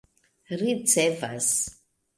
ricevas